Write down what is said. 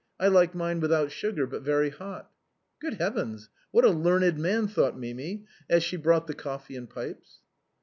I like mine without sugar, but very hot." " Good heavens ! what a learned man !" thought Mirai, as she brought the coffee and pipes.